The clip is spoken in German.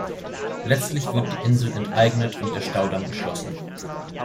Letztlich wird die Insel enteignet und der Staudamm geschlossen.